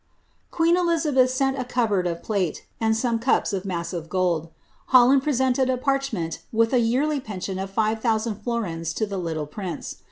Queen Elizabeth sent a cupboard of plate. and some cups of massive gold ; Holland presented a parchment "iili s yearlv pcnsiun of five thousand florins to the litde prince.